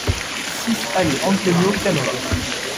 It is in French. six allée Antonio Canova